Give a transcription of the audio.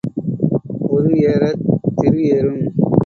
உரு ஏறத் திரு ஏறும்.